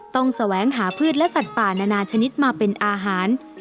แสวงหาพืชและสัตว์ป่านานาชนิดมาเป็นอาหาร